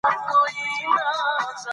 دوی سړې او تودې لیدلي دي.